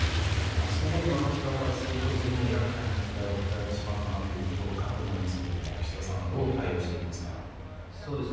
総理の立場からするとずいぶん厄介な問題を抱えてしまったなというところかと思いますが岸田さんはどう対応していきますか。